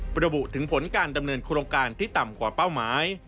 ระบุถึงผลการดำเนินโครงการที่ต่ำกว่าเป้าหมาย